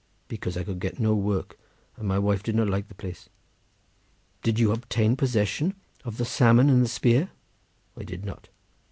"Because I could get no work, and my wife did not like the place." "Did you obtain possession of the salmon and the spear?" "I did not."